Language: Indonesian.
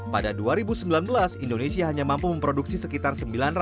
pada dua ribu sembilan belas indonesia hanya mampu memproduksi sekitar sembilan ratus empat puluh